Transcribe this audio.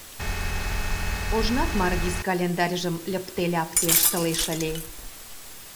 Ожнат Маргиз календарьжым льыпте-ляпте ыштылеш ыле.